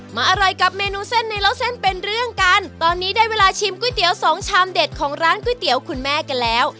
อร่อยกับเมนูเส้นในเล่าเส้นเป็นเรื่องกันตอนนี้ได้เวลาชิมก๋วยเตี๋ยวสองชามเด็ดของร้านก๋วยเตี๋ยวคุณแม่กันแล้ว